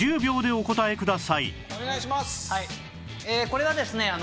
これはですね